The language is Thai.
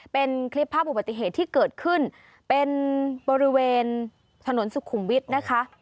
เป็นคลิปภาพอุบัติเหตุที่เกิดขึ้นเป็นบริเวณถนนสุขุมวิทย์นะคะ